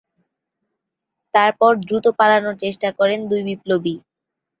তারপর দ্রুত পালানোর চেষ্টা করেন দুই বিপ্লবী।